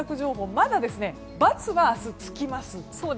まだ×は明日、つきます。